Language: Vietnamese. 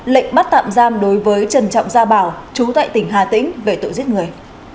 lệnh bắt tạm giam đối với trần trọng gia bảo chú tại tỉnh hà tĩnh về tội giết người